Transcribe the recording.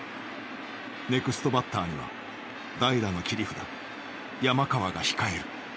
ネクストバッターには代打の切り札山川が控える。